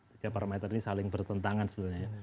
tiga parameter ini saling bertentangan sebenarnya ya